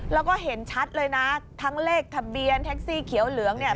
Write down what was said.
แล้วก็เห็นชัดเลยนะทั้งเลขทะเบียนแท็กซี่เขียวเหลืองเนี่ย